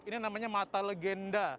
ini namanya mata legenda